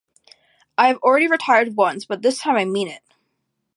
I have already retired once but this time I mean it.